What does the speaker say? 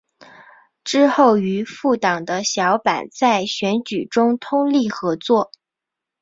之后与复党的小坂在选举中通力合作。